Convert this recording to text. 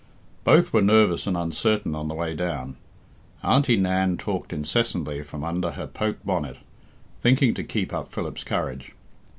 Both were nervous and uncertain on the way down; Auntie Nan talked incessantly from under her poke bonnet, thinking to keep up Philip's courage.